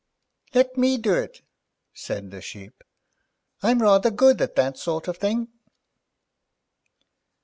"Let me do it," said the Sheep; "I'm rather good at that sort of thing."